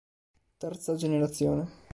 Terza generazione